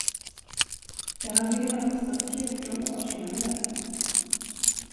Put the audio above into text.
Behandlingen har kostat fjorton årslöner.